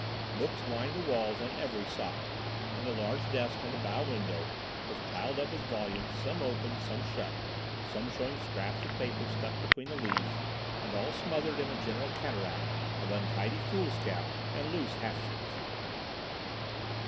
Books lined the walls on every side, and a large desk in the bow window was piled up with volumes, some open, some shut, some showing scraps of paper stuck between the leaves, and all smothered in a general cataract of untidy foolscap and loose half sheets.